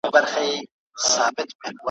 د جهان سترګي یې نه ویني ړندې دي ,